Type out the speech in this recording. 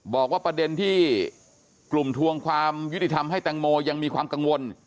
บอกว่าประเด็นที่กลุ่มทวงความยุติธรรมให้แตงโมยังมีความกังวล